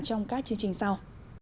trong các chương trình sau